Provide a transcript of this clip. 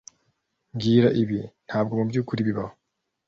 Mbwira ibi ntabwo mubyukuri bibaho